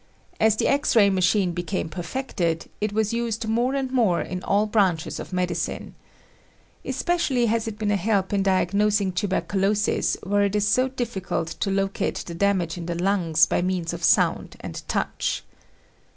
As the X ray machine became perfected, it was used more and more in all branches of medicine. Especially has it been a help in diagnosing tuberculosis where it is so difficult to locate the damage in the lungs by means of sound and touch.